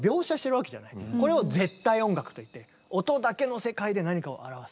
これを絶対音楽といって音だけの世界で何かを表す。